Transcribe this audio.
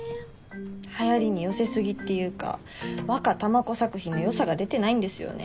流行りに寄せ過ぎっていうかワカタマコ作品の良さが出てないんですよね。